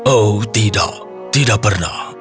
oh tidak tidak pernah